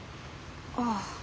ああ。